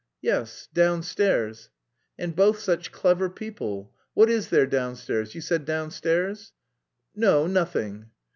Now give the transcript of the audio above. "Yes.... Downstairs..." "And both such clever people. What is there downstairs? You said downstairs?" "No, nothing."